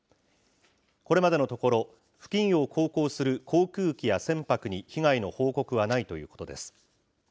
これまでのところ、付近を航行する航空機や船舶に被害の報告はないということです。